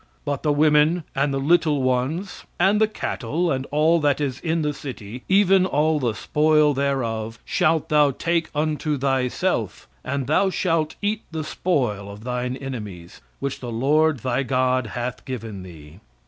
"But the women, and the little ones, and the cattle, and all that is in the city, even all the spoil thereof, shalt thou take unto thyself; and thou shalt eat the spoil of thine enemies, which the Lord thy God hath given thee.